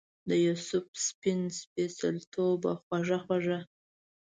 دیوسف سپین سپیڅلتوبه خوږه خوږه